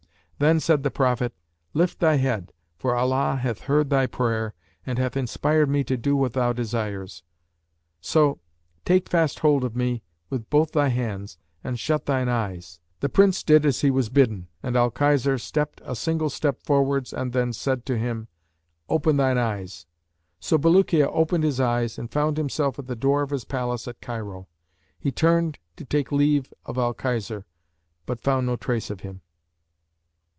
Then said the Prophet, 'Lift thy head, for Allah hath heard thy prayer and hath inspired me to do what thou desires; so take fast hold of me with both thy hands and shut thine eyes.' The Prince did as he was bidden and Al Khizr stepped a single step forwards, then said to him, 'Open thine eyes!' So Bulukiya opened his eyes and found himself at the door of his palace at Cairo. He turned, to take leave of Al Khizr, but found no trace of him."